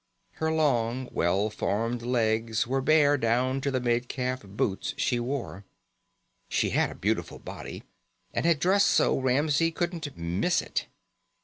Her long, well formed legs were bare down to the mid calf boots she wore. She had a beautiful body and had dressed so Ramsey couldn't miss it.